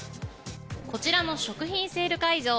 こちらの食品セール会場